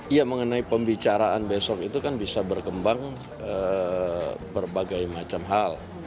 ya mengenai pembicaraan besok itu kan bisa berkembang berbagai macam hal